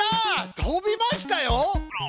とびましたよ！